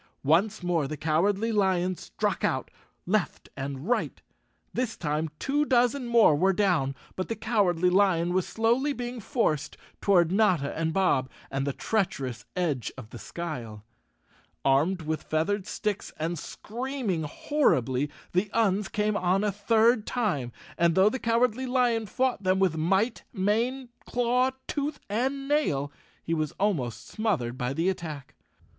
Once more the Cowardly Lion struck out, left and right. This time two dozen more were down, but the Cowardly Lion was slowly being forced toward Notta and Bob, and the treacherous edge of the Skyle. Armed with feathered sticks and screaming hor¬ ribly, the Uns came on a third time, and though the Cowardly Lion fought them with might, mane, claw, tooth and nail, he was almost smothered by the attack.